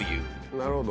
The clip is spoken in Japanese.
なるほど。